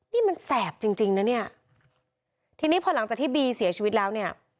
นี่มันแสบจริงจริงนะเนี่ยทีนี้พอหลังจากที่บีเสียชีวิตแล้วเนี่ย